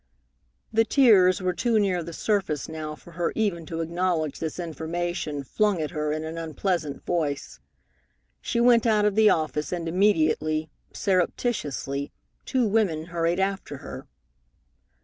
The tears were too near the surface now for her even to acknowledge this information flung at her in an unpleasant voice. She went out of the office, and immediately, surreptitiously, two women hurried after her.